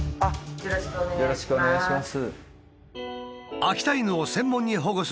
よろしくお願いします。